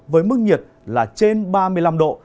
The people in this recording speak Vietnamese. với mức nhiệt là trên ba mươi năm độ